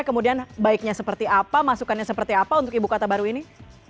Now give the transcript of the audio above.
kemudian baiknya seperti apa masukannya seperti apa untuk ibu kota baru ini